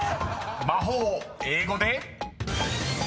［魔法英語で］